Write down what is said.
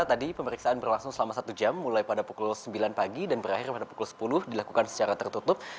tadi pemeriksaan berlangsung selama satu jam mulai pada pukul sembilan pagi dan berakhir pada pukul sepuluh dilakukan secara tertutup